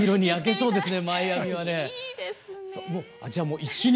そうですね。